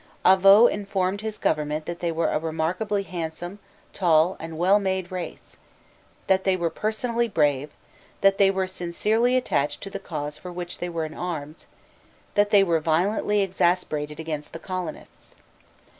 Avaux informed his government that they were a remarkably handsome, tall, and well made race; that they were personally brave; that they were sincerely attached to the cause for which they were in arms; that they were violently exasperated against the colonists.